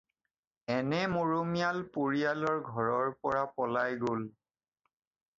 এনে মৰমীয়াল পৰিয়ালৰ ঘৰৰ পৰা পলাই গ'ল।